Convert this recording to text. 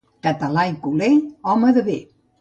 Català i culer, home de bé.